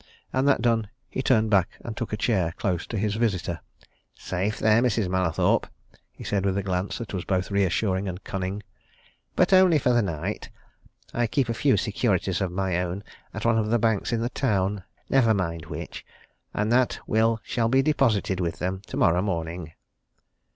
And that done, he turned back and took a chair, close to his visitor. "Safe there, Mrs. Mallathorpe," he said with a glance that was both reassuring and cunning. "But only for the night. I keep a few securities of my own at one of the banks in the town never mind which and that will shall be deposited with them tomorrow morning."